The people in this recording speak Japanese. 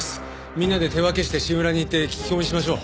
みんなで手分けしてシンウラに行って聞き込みしましょう。